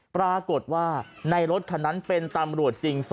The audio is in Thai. ปรากฏว่าในรถคันนั้นเป็นตำรวจจริง๒